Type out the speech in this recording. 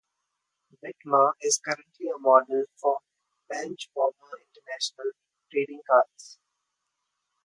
Witmer is currently a model for "Bench Warmer International" trading cards.